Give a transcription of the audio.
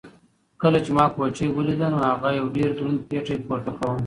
کله چې ما کوچۍ ولیده نو هغې یو ډېر دروند پېټی پورته کاوه.